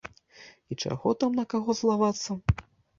І чаго там на каго злавацца?